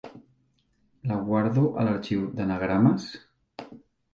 ¿La guardo a l'arxiu d'anagrames?